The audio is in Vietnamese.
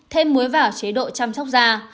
thêm muối vào chế độ chăm sóc da